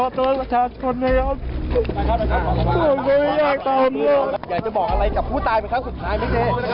โปรดติดตามตอนต่อไป